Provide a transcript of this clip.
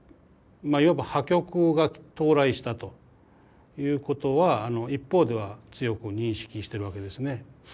いわば破局が到来したということは一方では強く認識してるわけですね。